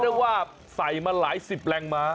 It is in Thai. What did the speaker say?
เป็นว่าฝ่ายมาหลายสิบแรงมหา